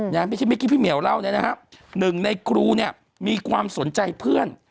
ไม่ใช่เมื่อกี้พี่เหมียวเล่าเนี่ยนะฮะหนึ่งในครูเนี่ยมีความสนใจเพื่อน